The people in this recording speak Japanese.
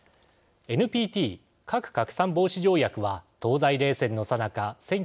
ＮＰＴ＝核拡散防止条約は東西冷戦のさなか